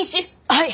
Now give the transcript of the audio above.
はい！